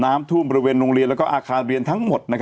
น้ำท่วมบริเวณโรงเรียนและอาคารเรียนทั้งหมด